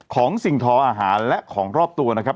สิ่งทออาหารและของรอบตัวนะครับ